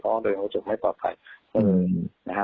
เพราะโดยรู้สึกไม่ปลอดภัยนะฮะ